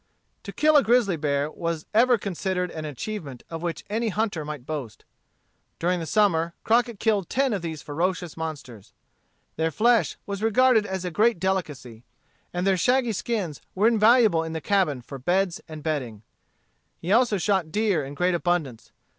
To kill a grizzly bear was ever considered an achievement of which any hunter might boast. During the summer, Crockett killed ten of these ferocious monsters. Their flesh was regarded as a great delicacy. And their shaggy skins were invaluable in the cabin for beds and bedding. He also shot deer in great abundance.